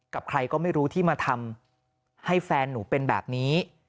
กับใครก็ไม่รู้ที่มาทำให้แฟนหนูเป็นแบบนี้